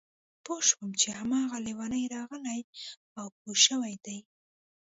پوه شوم چې هماغه لېونی راغلی او پوه شوی دی